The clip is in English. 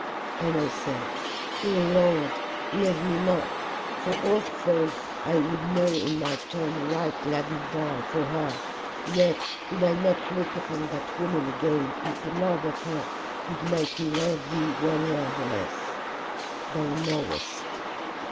And I said, O Lord, leave me not, for although I would now in my turn right gladly die for her, yet would I not look upon that woman again if the love of her would make me love thee one hair the less thou knowest.